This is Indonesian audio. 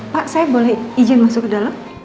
pak saya boleh izin masuk ke dalam